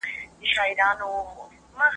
سندي څېړنه له خپلواکي څېړني سره څرګند توپیر لري.